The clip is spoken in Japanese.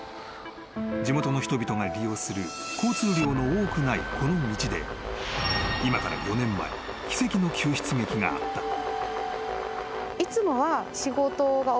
［地元の人々が利用する交通量の多くないこの道で今から４年前奇跡の救出劇があった］